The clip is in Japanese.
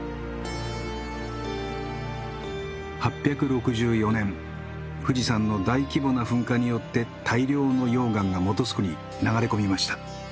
８６４年富士山の大規模な噴火によって大量の溶岩が本栖湖に流れ込みました。